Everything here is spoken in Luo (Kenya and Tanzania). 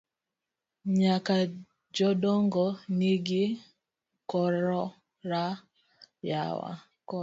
Nyaka jodogo nigi okora yawa.